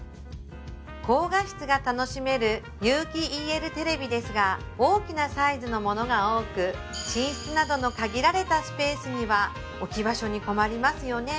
高画質が楽しめる有機ＥＬテレビですが大きなサイズのものが多くには置き場所に困りますよね